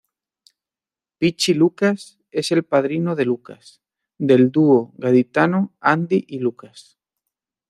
Pichi Lucas es el padrino de Lucas, del dúo gaditano Andy y Lucas.